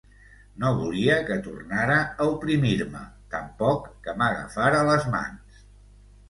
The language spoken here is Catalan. No volia que tornara a oprimir-me, tampoc que m'agafara les mans.